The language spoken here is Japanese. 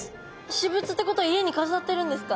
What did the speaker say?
私物ってことは家にかざってるんですか？